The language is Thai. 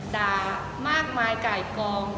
ด่ามากมายไก่กอง